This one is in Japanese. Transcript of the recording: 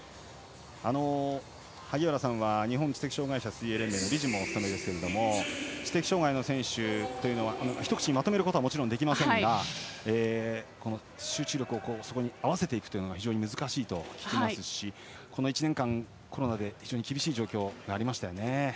萩原さんは日本知的障害者水泳連盟の理事もお務めですが知的障がいの選手はひと口にまとめることはもちろんできませんが集中力をそこに合わせていくというのは非常に難しいと聞きますしこの１年間、コロナで非常に厳しい状況がありましたね。